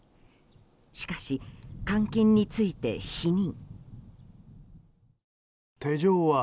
しかし、監禁について否認。